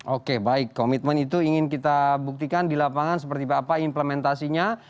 oke baik komitmen itu ingin kita buktikan di lapangan seperti apa implementasinya